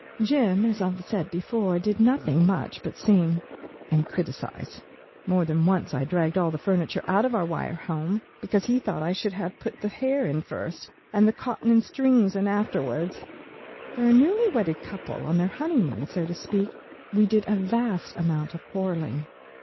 Jim, as I have said before, did nothing much but sing and criticise. More than once I dragged all the furniture out of our wire home, because he thought I should have put the hair in first, and the cotton and strings in afterward. For a newly wedded couple, on their honeymoon so to speak, we did a vast amount of quarreling.